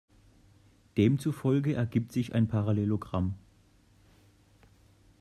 Demzufolge ergibt sich ein Parallelogramm.